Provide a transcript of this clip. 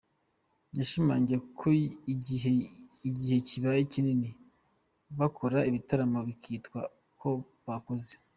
Yashimangiye ko igihe kibaye kinini bakora ibitaramo bikitwa ko bakoze